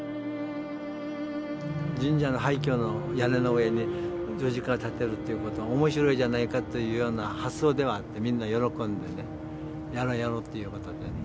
神社の廃虚の屋根の上に十字架を立てるということは面白いじゃないかというような発想ではあってみんな喜んでね「やろうやろう」ということで。